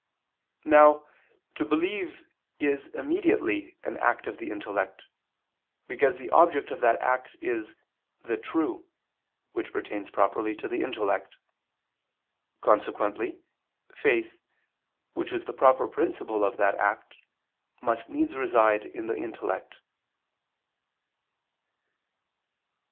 Now, to believe is immediately an act of the intellect, because the object of that act is "the true," which pertains properly to the intellect. Consequently faith, which is the proper principle of that act, must needs reside in the intellect.